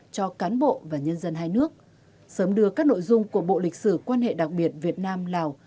cho cán bộ và nhân dân hai nước sớm đưa các nội dung của bộ lịch sử quan hệ đặc biệt việt nam lào